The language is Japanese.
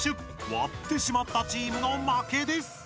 割ってしまったチームの負けです！